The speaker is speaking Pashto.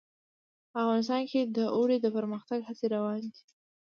افغانستان کې د اوړي د پرمختګ هڅې روانې دي.